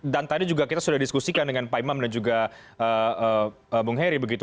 dan tadi juga kita sudah diskusikan dengan pak imam dan juga bung heri begitu